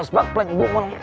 sebab pleng gue mau